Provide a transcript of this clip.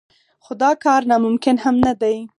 خو دا کار ناممکن هم نه دی.